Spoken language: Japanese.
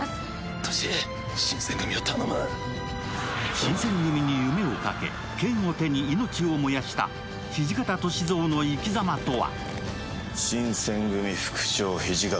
新選組に夢をかけ、剣を手に命を燃やした土方歳三の生きざまとは。